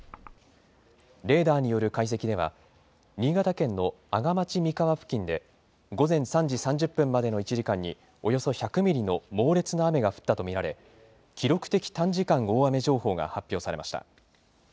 レーダーによる解析では、新潟県の阿賀町三川付近で、午前３時３０分までの１時間におよそ１００ミリの猛烈な雨が降ったと見られ、記録的短時間大雨情報が発表されました。